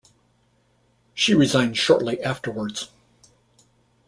She resigned shortly afterwards.